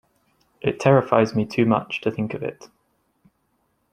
It terrifies me too much to think of it.